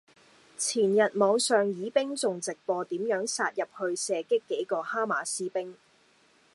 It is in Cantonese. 前日網上以兵仲直播點樣殺入去射擊幾個哈馬斯兵。